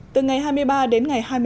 từ ngày hai mươi ba đến ngày hai mươi năm